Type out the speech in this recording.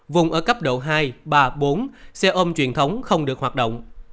vùng ở cấp độ hai ba bốn xe ôm truyền thống không được hoạt động